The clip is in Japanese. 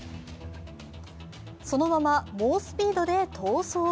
そのまま猛スピードで逃走。